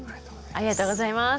ありがとうございます。